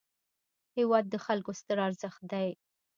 هېواد د خلکو ستر ارزښت دی.